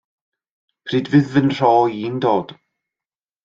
Pryd fydd fy nhro i'n dod?